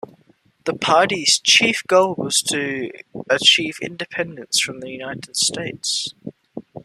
The party's chief goal was to achieve independence from the United States.